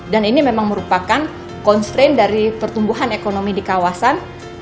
dan ini memang merupakan constraint dari pertumbuhan ekonomi di kawasan